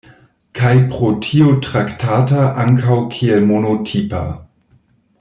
Kaj pro tio traktata ankaŭ kiel monotipa.